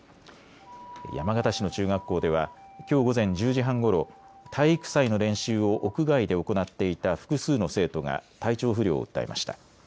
山形市の中学校ではきょう午前１０時半ごろ体育祭の練習を屋外で行っていた複数の生徒が体調不良を訴えました。